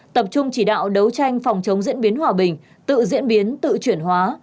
tập trung chỉ đạo đấu tranh phòng chống diễn biến hòa bình tự diễn biến tự chuyển hóa